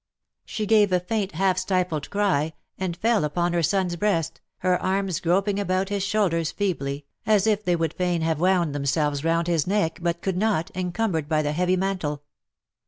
She gave a faint half stifled cry^ and fell upon her son^s breast,, her arms groping about his shoulders feebly, as if they would fain have wound themselves round his neck, but could not, encum bered by the heavy mantle.